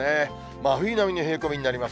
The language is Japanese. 真冬並みの冷え込みになります。